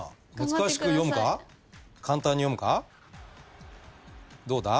難しく読むか簡単に読むかどうだ？